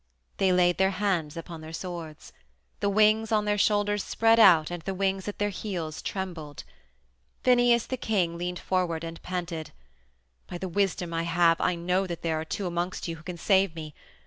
They laid their hands upon their swords. The wings on their shoulders spread out and the wings at their heels trembled. Phineus, the king, leaned forward and panted: "By the wisdom I have I know that there are two amongst you who can save me.